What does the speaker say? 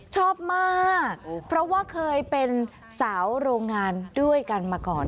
ชอบมากเพราะว่าเคยเป็นสาวโรงงานด้วยกันมาก่อน